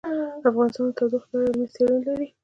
افغانستان د تودوخه په اړه علمي څېړنې لري.